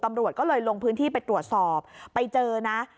ตำรวจก็เลยลงพื้นที่ไปตรวจสอบไปเจอนะ